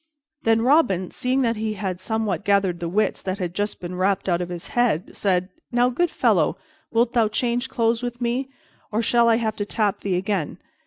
Then Robin, seeing that he had somewhat gathered the wits that had just been rapped out of his head, said, "Now, good fellow, wilt thou change clothes with me, or shall I have to tap thee again?